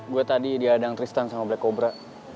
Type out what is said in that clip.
gue tadi diadang tristan sama black cobra